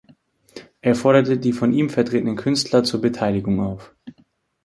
Er forderte die von ihm vertretenen Künstler zur Beteiligung auf.